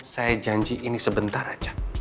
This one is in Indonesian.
saya janji ini sebentar aja